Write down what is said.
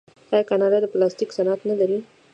آیا کاناډا د پلاستیک صنعت نلري؟